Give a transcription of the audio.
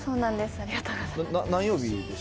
ありがとうございます。